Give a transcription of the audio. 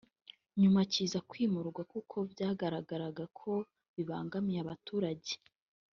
nyuma kiza kwimurwa kuko byagaragaraga ko kibangamiye abaturage